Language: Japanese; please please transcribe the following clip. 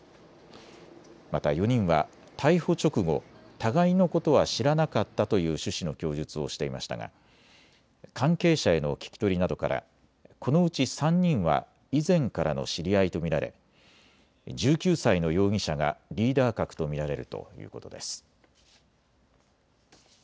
また４人は逮捕直後、互いのことは知らなかったという趣旨の供述をしていましたが関係者への聞き取りなどからこのうち３人は以前からの知り合いと見られ１９歳の容疑者がリーダー格と見られるということです。